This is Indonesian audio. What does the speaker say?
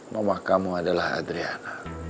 rumah kamu adalah adriana